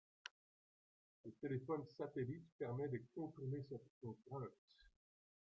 Le téléphone satellite permet de contourner cette contrainte.